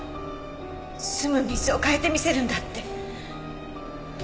すむ水を変えてみせるんだって。